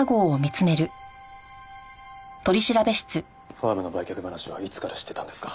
ファームの売却話はいつから知ってたんですか？